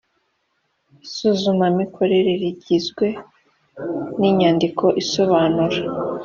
isuzumamikorere rigizwe n inyandiko isobanura